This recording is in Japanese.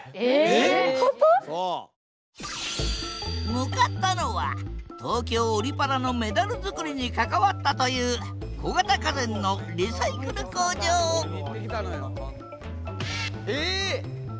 向かったのは東京オリパラのメダルづくりに関わったという小型家電のリサイクル工場ええ！